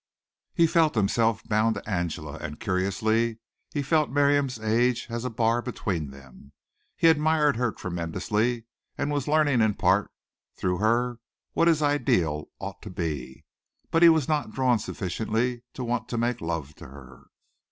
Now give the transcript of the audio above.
He felt himself bound to Angela and, curiously, he felt Miriam's age as a bar between them. He admired her tremendously and was learning in part through her what his ideal ought to be, but he was not drawn sufficiently to want to make love to her.